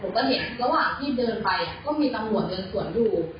ก็เห็นระหว่างที่เดินไปก็มีตำรวจเดินสวนอยู่